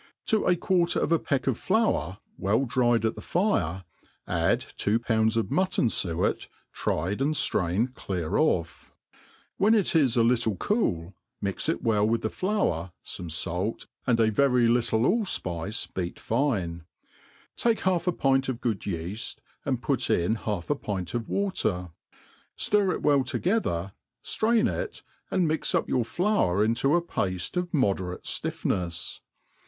TO a quarter of a peck of flour, well dried at the fire, add two pounds of niuttoa*fuet tried and ftraincd clear offj when it /«. a86 THE ART OF COOKERY it 18 a little cool, mix it well with the flour, Tome fait, and t very little alUfptce beat fine ; take half a pint of good yeaft, and put in half a pint of water, ftir it welt together, ftrain it, and mix up your flour into a pafte of moderate ftiflPnefs.